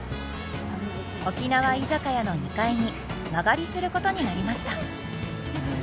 沖縄居酒屋の２階に間借りすることになりました。